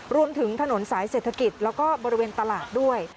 รวมถึงถนนสายเศรษฐกิจแล้วก็บริเวณตลาดด้วย